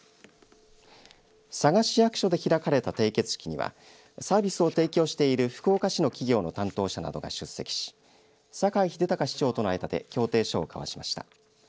佐賀市役所で開かれた締結式にはサービスを提供している福岡市の企業の担当者などが出席し坂井英隆市長との間で協定書を交わしました。